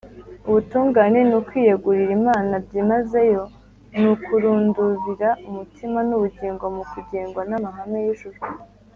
ubutungane ni ukwiyegurira imana byimazeyo; ni ukurundurira umutima n’ubugingo mu kugengwa n’amahame y’ijuru